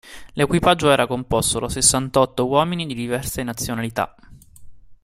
L'equipaggio era composto da sessantotto uomini di diverse nazionalità.